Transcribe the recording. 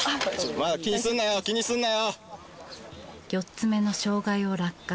４つ目の障害を落下。